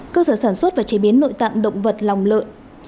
cơ sở sản xuất và chế biến nội tạng động vật lòng lợn